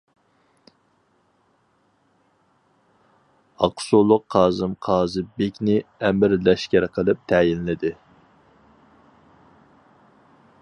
ئاقسۇلۇق قاسىم قازى بېكنى ئەمىر لەشكەر قىلىپ تەيىنلىدى.